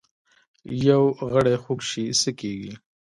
یو غړی خوږ شي څه کیږي؟